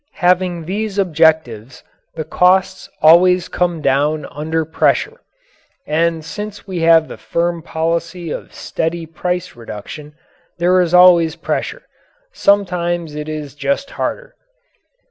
Having these objectives the costs always come down under pressure. And since we have the firm policy of steady price reduction, there is always pressure. Sometimes it is just harder!